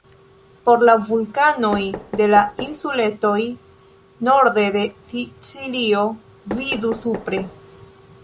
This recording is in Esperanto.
Por la vulkanoj de la insuletoj norde de Sicilio, vidu supre.